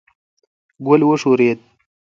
ګل وښورېد.